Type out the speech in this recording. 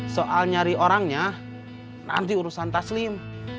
soal nyari orangnya nanti urusan taslim